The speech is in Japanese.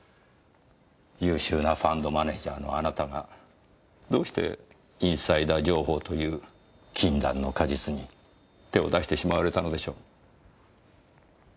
優秀なファンドマネージャーのあなたがどうしてインサイダー情報という禁断の果実に手を出してしまわれたのでしょう？